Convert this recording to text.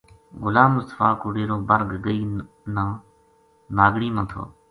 غلام مصطفیٰ کو ڈیرو بر گگئی ناگنی ما تھو